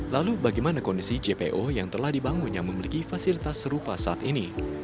lalu bagaimana kondisi jpo yang telah dibangun yang memiliki fasilitas serupa saat ini